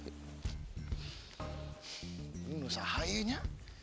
ini berusaha ya